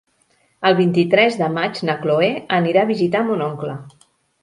El vint-i-tres de maig na Chloé anirà a visitar mon oncle.